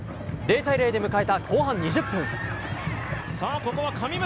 ０対０で迎えた後半２０分。